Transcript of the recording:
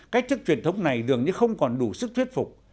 cách thức truyền thống này dường như không còn đủ sức thuyết phục